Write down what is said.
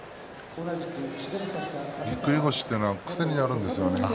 ぎっくり腰というのは癖になるんですよね。